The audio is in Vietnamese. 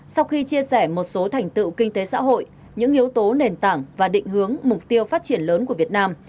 sau khi chia sẻ một số thành tựu kinh tế xã hội những yếu tố nền tảng và định hướng mục tiêu phát triển lớn của việt nam